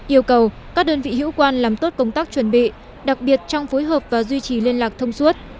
yêu cầu các đơn vị hữu quan làm tốt công tác chuẩn bị đặc biệt trong phối hợp và duy trì liên lạc thông suốt